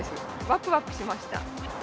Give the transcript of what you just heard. ワクワクしました。